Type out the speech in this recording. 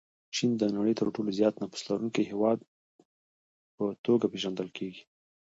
چین د نړۍ د تر ټولو زیات نفوس لرونکي هېواد په توګه پېژندل کېږي.